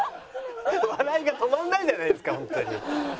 笑いが止まらないじゃないですかホントに。